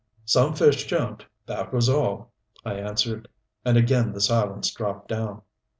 "Some fish jumped, that was all," I answered. And again the silence dropped down.